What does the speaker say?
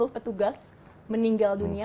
petugas meninggal dunia